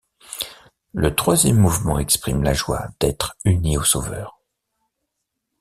Le troisième mouvement exprime la joie d'être uni au Sauveur.